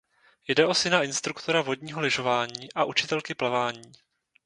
Jde o syna instruktora vodního lyžování a učitelky plavání.